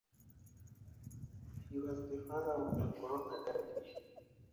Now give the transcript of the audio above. He was the father of Agnolo Gaddi.